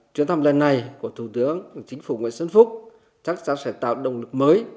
chuyến thăm lần này của thủ tướng chính phủ nguyễn xuân phúc chắc chắn sẽ tạo động lực mới